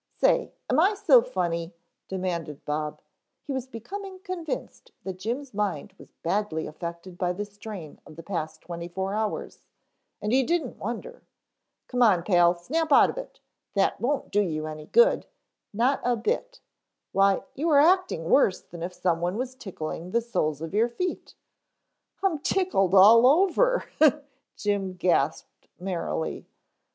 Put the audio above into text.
"Say, am I so funny?" demanded Bob. He was becoming convinced that Jim's mind was badly affected by the strain of the past twenty four hours, and he didn't wonder. "Come on, Pal, snap out of it that won't do you any good not a bit. Why, you are acting worse than if some one was tickling the soles of your feet " "I'm tickled all over," Jim gasped merrily.